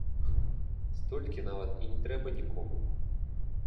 Столькі нават і не трэба нікому!